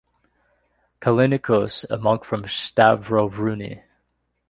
Kallinikos, a monk from Stavrovouni.